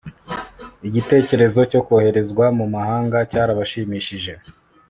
igitekerezo cyo koherezwa mu mahanga cyarabashimishije